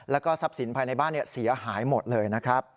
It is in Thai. แล้วก็ทรัพย์สินภายในบ้านเสียหายหมดเลยนะครับ